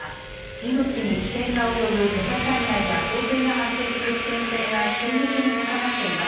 命に危険が及ぶ土砂災害や洪水が発生する危険性が急激に高まっています。